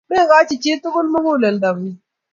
Meng'ang'chi chi tugul mukuleldo ng'ung'.